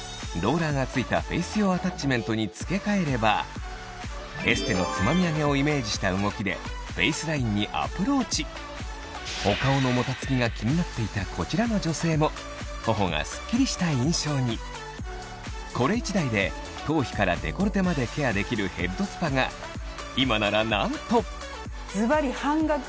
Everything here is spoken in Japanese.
その秘密はアートネイチャー独自の硬くなったさらにに付け替えればした動きでフェイスラインにアプローチお顔のもたつきが気になっていたこちらの女性も頬がスッキリした印象にこれ１台で頭皮からデコルテまでケアできるヘッドスパが今ならなんと！